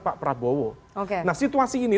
pak prabowo oke nah situasi ini